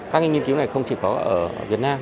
các nghiên cứu này không chỉ có ở việt nam